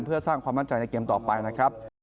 เพื่อสร้างความมั่นใจในเกมต่อไปนะครับ